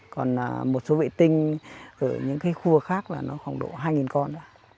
còn một số vệ tinh ở những khu vực khác là khoảng độ hai con